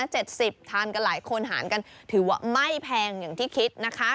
๗๐โถมีแล้วก็หารกันทำสามารถทานมันไม่แพงอย่างที่คิดนะคะ